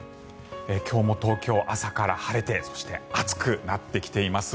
今日も東京、朝から晴れてそして、暑くなってきています。